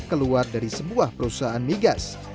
keluar dari sebuah perusahaan migas